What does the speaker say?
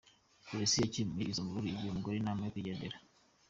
Polisi yakemuye izo mvururu, igira umugore inama yo kwigendera.